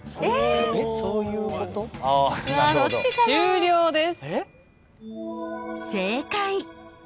終了です。